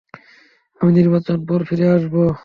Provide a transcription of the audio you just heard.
আমি নির্বাচনের পর ফিরে আসব।